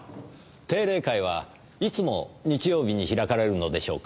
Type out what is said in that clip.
定例会はいつも日曜日に開かれるのでしょうか？